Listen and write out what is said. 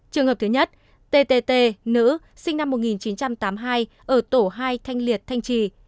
trường hợp thứ nhất tt nữ sinh năm một nghìn chín trăm tám mươi hai ở tổ hai thanh liệt thanh trì